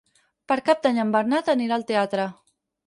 Per Cap d'Any en Bernat anirà al teatre.